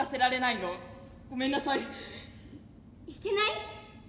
いけない？